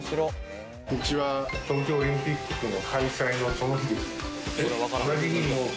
うちは東京オリンピックの開催のその日に。